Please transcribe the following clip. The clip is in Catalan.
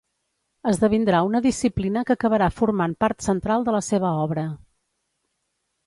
Esdevindrà una disciplina que acabarà formant part central de la seva obra.